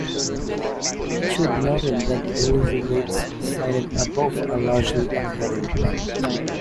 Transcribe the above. It should be noted that the delivery rates cited above are largely academic.